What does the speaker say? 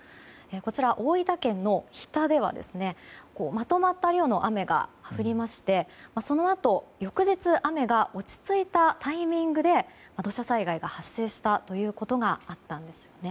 こちらは大分県の日田ではまとまった量の雨が降りまして、そのあと翌日雨が落ち着いたタイミングで土砂災害が発生したということがあったんですよね。